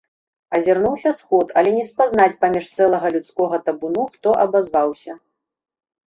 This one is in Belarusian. Азірнуўся сход, але не спазнаць паміж цэлага людскога табуну, хто абазваўся.